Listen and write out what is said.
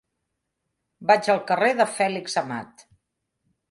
Vaig al carrer de Fèlix Amat.